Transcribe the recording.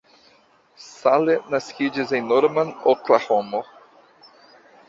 Salle naskiĝis en Norman, Oklahomo.